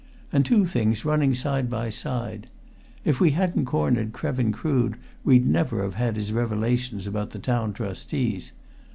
And two things running side by side. If we hadn't cornered Krevin Crood we'd never have had his revelations about the Town Trustees.